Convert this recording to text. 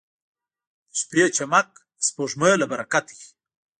• د شپې چمک د سپوږمۍ له برکته وي.